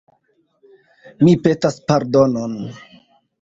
Mi petas pardonon.